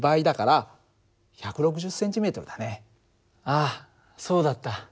あっそうだった。